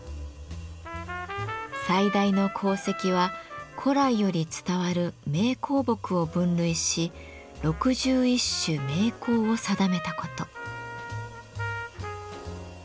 最大の功績は古来より伝わる名香木を分類し「六十一種名香」を定めたこと。